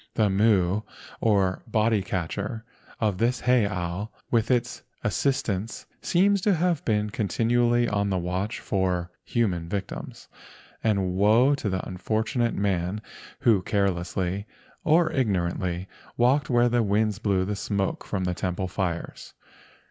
The Mu, or "body catcher," of this heiau with his assistants seems to have been continually on the watch for human victims, and woe to the unfortunate man who carelessly or igno¬ rantly walked where the winds blew the smoke from the temple fires.